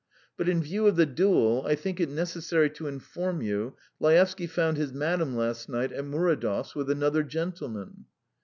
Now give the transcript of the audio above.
"But in view of the duel, I think it necessary to inform you, Laevsky found his madam last night at Muridov's with ... another gentleman."